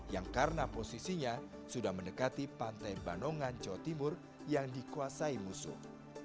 yang karena posisinya sudah mendekati pantai banongan jawa timur yang dikuasai musuh